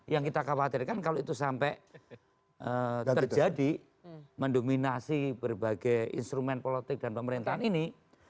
yang kita khawatirkan kalau itu sampai terjadi mendominasi berbagai instrumen politik dan pemerintahan ini